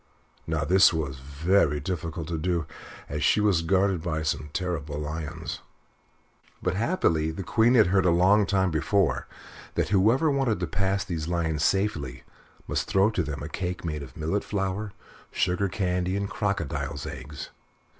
Now this was very difficult to do, as she was guarded by some terrible lions; but happily the Queen had heard a long time before that whoever wanted to pass these lions safely must throw to them a cake made of millet flour, sugar candy, and crocodile's eggs.